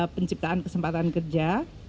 penciptaan kesempatan kerja